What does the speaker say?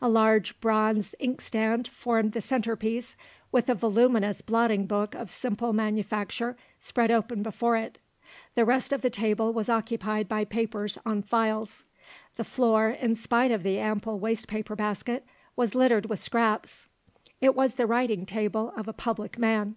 A large bronze inkstand formed the centrepiece, with a voluminous blotting book of simple manufacture spread open before it. The rest of the table was occupied by papers on files. The floor, in spite of the ample waste paper basket, was littered with scraps. It was the writing table of a public man.